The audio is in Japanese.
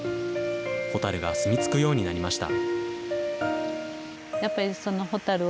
ホタルが住み着くようになりました。